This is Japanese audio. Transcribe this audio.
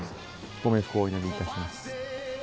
ご冥福をお祈りいたします。